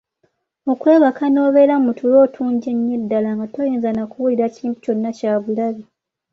Okwebaka n’obeera mu tulo otungi ennyo ddala nga toyinza na kuwulira kintu kyonna kyabulabe.